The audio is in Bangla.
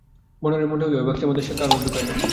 বনোয়ারির মনে হইল, ঐ বাক্সের মধ্যেই সে কাগজ লুকাইল।